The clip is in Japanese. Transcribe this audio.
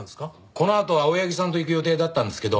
このあと青柳さんと行く予定だったんですけど。